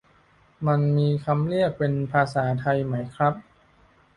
มันมีคำเรียกเป็นภาษาไทยไหมครับ